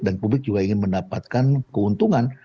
dan publik juga ingin mendapatkan keuntungan